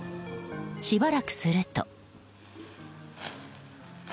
しばらくすると。